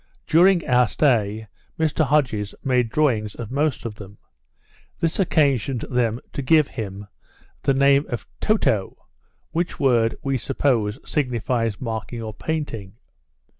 During our stay, Mr Hodges made drawings of most of them; this occasioned them to give him the name of Toe toe, which word, we suppose signifies marking or painting.